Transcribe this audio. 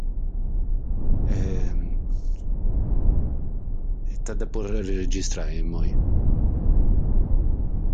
Tue ses sardu de Dèximu.